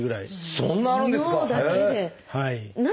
そんなあるんですか？